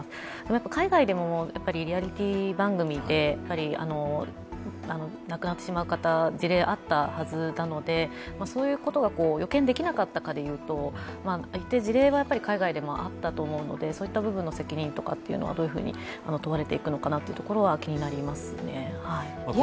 やっぱり海外でもリアリティー番組で亡くなってしまう事例があったはずなので、そういうことが予見できなかったかでいうと、一定事例は海外でもあったと思うのでそういう部分でも責任ってどういうふうに問われていくのかなというところは気になりますね。